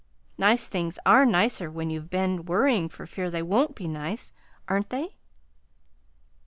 Nice things are nicer when you've been worrying for fear they won't be nice, aren't they?"